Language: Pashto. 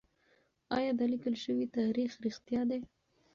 ايا دا ليکل شوی تاريخ رښتيا دی؟